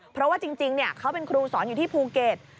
เพราะว่าจริงเขาเป็นครูสอนอยู่ที่ภูเก็ต